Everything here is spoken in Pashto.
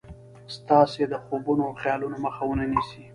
ستاسې د خوبونو او خيالونو مخه و نه نيسي.